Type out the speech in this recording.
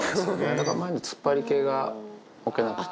だから前の突っ張り系が置けなくて。